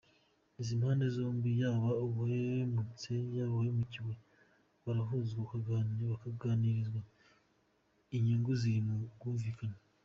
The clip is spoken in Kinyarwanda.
Izi mpande zombi yaba uwahemutse yaba uwahemukiwe barahuzwa bakagarizwa inyungu ziri mu bwumvikane.